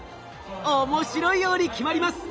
面白いように決まります。